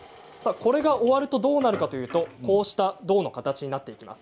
これが終わるとどうなるかというと胴の形になっていきます。